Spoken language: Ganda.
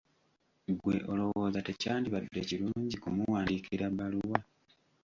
Ggwe olowooza tekyandibadde kirungi kumuwandiikira bbaluwa?